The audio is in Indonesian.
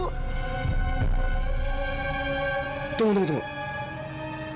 tunggu tunggu tunggu